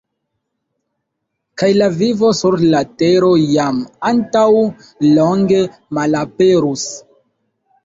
Kaj la vivo sur la Tero jam antaŭ longe malaperus.